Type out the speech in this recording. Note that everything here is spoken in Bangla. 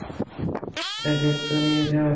আরে ব্যাগ তো নিয়ে যাও!